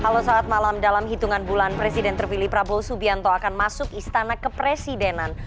halo saat malam dalam hitungan bulan presiden terpilih prabowo subianto akan masuk istana kepresidenan